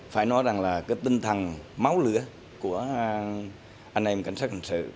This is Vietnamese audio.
phải nói rằng là cái tinh thần máu lửa của anh em cảnh sát hành sử